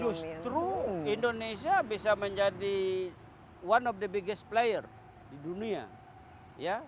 justru indonesia bisa menjadi one of the biggest player di dunia